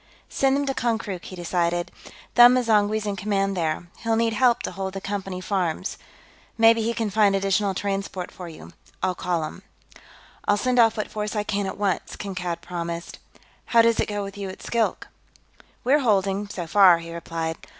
"Send them to Konkrook," he decided. "Them M'zangwe's in command, there; he'll need help to hold the Company farms. Maybe he can find additional transport for you. I'll call him." "I'll send off what force I can, at once," Kankad promised. "How does it go with you at Skilk?" "We're holding, so far," he replied.